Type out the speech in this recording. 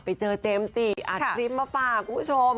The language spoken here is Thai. เจมส์จิอัดคลิปมาฝากคุณผู้ชม